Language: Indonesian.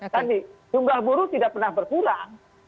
tadi jumlah buruh tidak pernah berkurang